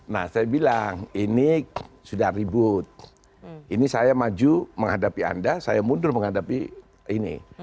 nah saya bilang ini sudah ribut ini saya maju menghadapi anda saya mundur menghadapi ini